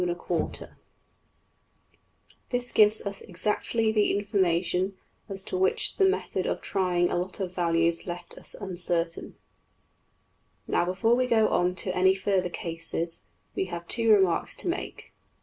\end{DPalign*} This gives us exactly the information as to which the method of trying a lot of values left us uncertain. \DPPageSep{109.png}% Now, before we go on to any further cases, we have two remarks to make.